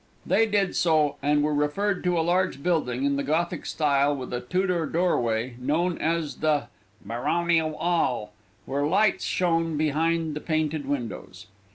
They did so, and were referred to a large building, in the Gothic style, with a Tudor doorway, known as the "Baronial All," where lights shone behind the painted windows.